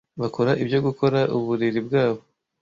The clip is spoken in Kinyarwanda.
bakora ibyo Gukora uburiri bwabo